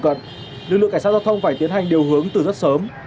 tuy nhiên lực lượng cảnh sát giao thông phải tiến hành điều hướng từ rất sớm